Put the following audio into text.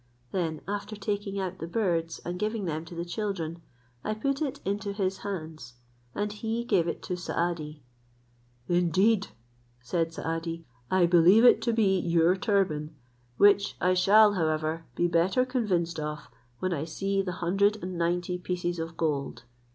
Then after taking out the birds, and giving them to the children, I put it into his hands, and he gave it to Saadi. "Indeed," said Saadi, "I believe it to be your turban; which I shall, however, be better convinced of when I see the hundred and ninety pieces of gold."